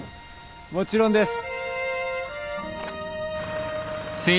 もちろんです。